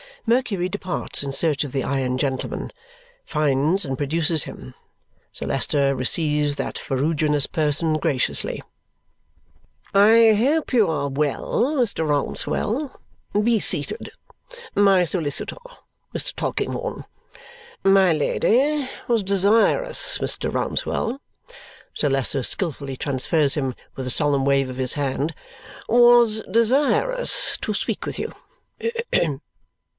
Mercury departs in search of the iron gentleman, finds, and produces him. Sir Leicester receives that ferruginous person graciously. "I hope you are well, Mr. Rouncewell. Be seated. (My solicitor, Mr. Tulkinghorn.) My Lady was desirous, Mr. Rouncewell," Sir Leicester skilfully transfers him with a solemn wave of his hand, "was desirous to speak with you.